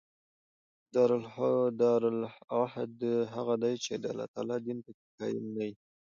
دارالعهد هغه دئ، چي د الله تعالی دین په کښي قایم نه يي.